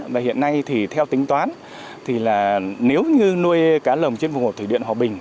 và hiện nay thì theo tính toán nếu như nuôi cá lồng trên vùng hồ thủy điện hòa bình